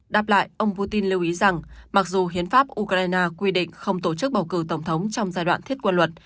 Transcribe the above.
đáp lại ông putin lưu ý rằng mặc dù hiến pháp ukraine quy định không tổ chức bầu cử tổng thống trong giai đoạn thiết quân luật